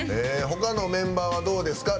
他のメンバーはどうですか？